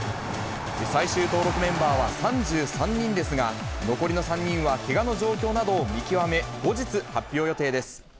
最終登録メンバーは３３人ですが、残りの３人はけがの状況などを見極め、後日発表予定です。